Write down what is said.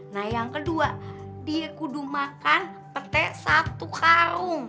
nah yang kedua dia kudu makan petek satu karung